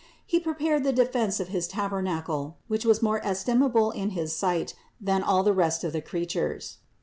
He pre pared the defense of his tabernacle, which was more estimable in his sight than all the rest of the creatures.